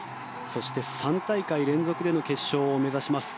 そして、３大会連続での決勝を目指します。